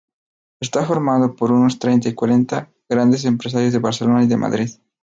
Está formado por unos treinta o cuarenta grandes empresarios de Barcelona y de Madrid.